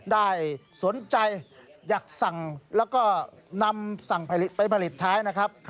ได้สนใจอยากสั่งแล้วก็นำสั่งไปผลิตท้ายนะครับ